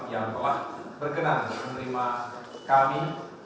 yang telah berkenan menerima kami